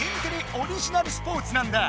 オリジナルスポーツなんだ。